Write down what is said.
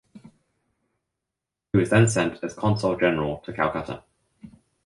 He was then sent as consul general to Calcutta.